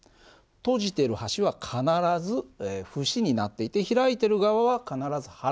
閉じてる端は必ず節になっていて開いてる側は必ず腹になってる。